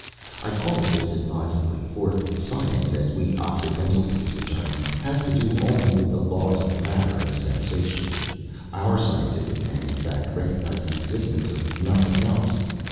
I call it this advisedly, for science, as we Occidentals use the term, has to do only with the laws of matter and sensation; our scientific men, in fact, recognize the existence of nothing else.